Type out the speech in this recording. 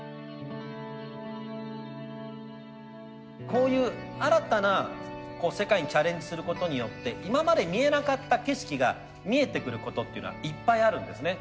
こういう新たな世界にチャレンジすることによって今まで見えなかった景色が見えてくることっていうのはいっぱいあるんですね。